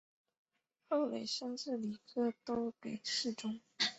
后累升至礼科都给事中。